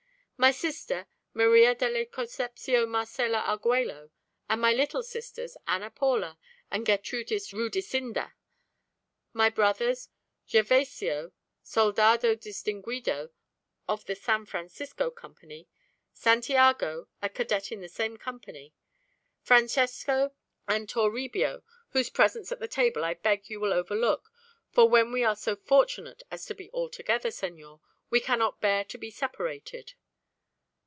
My sister, Maria de la Concepcion Marcella Arguello, and my little sisters, Ana Paula and Gertrudis Rudisinda. My brothers: Gervasio soldado distinguido of the San Francisco Company; Santiago, a cadet in the same company; Francesco and Toribio, whose presence at the table I beg you will overlook, for when we are so fortunate as to be all together, senor, we cannot bear to be separated.